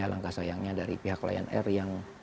langkah sayangnya dari pihak lion air yang